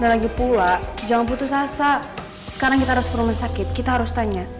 dan lagi pula jangan putus asa sekarang kita harus perut sakit kita harus tanya